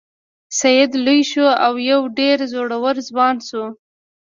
سید لوی شو او یو ډیر زړور ځوان شو.